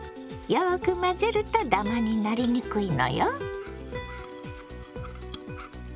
よく混ぜるとダマになりにくいのよ。